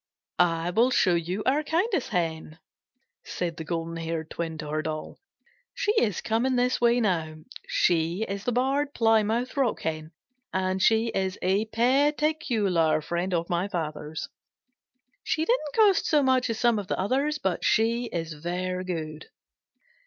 "I will show you our kindest Hen," said the golden haired twin to her doll. "She is coming this way now. She is the Barred Plymouth Rock Hen, and she is a peticullar friend of my Father's. She didn't cost so much as some of the others, but she is very good."